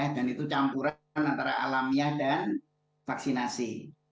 dan itu campuran antara alamiah dan vaksinasi